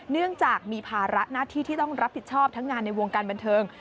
เนื่องจากมีภาระหน้าที่ที่ต้องรับผิดชอบทั้งงานในวงการบันเทิง